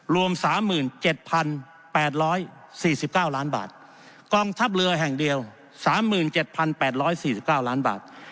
รวม๓๗๘๔๙ล้านบาทกองทัพเรือแห่งเดียว๓๗๘๔๙ล้านบาท